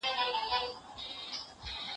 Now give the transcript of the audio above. له اوږده سفره ستړي را روان وه